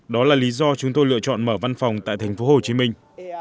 đó là lý do chúng tôi lựa chọn mở văn phòng tại thành phố hồ chí minh